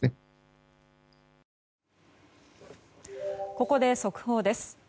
ここで速報です。